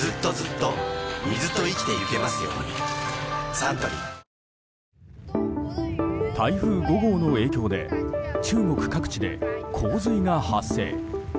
サントリー台風５号の影響で中国各地で洪水が発生。